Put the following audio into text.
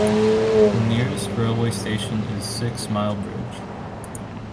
The nearest railway station is in Sixmilebridge.